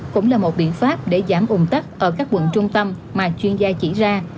cũng là một biện pháp để giảm ủng tắc ở các quận trung tâm mà chuyên gia chỉ ra